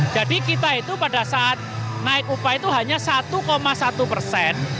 jadi kita itu pada saat naik upah itu hanya satu satu persen